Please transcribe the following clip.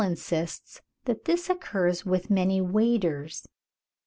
insists that this occurs with many waders.